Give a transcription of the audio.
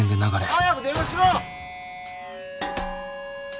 早く電話しろ！